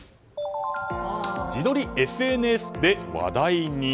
自撮り、ＳＮＳで話題に。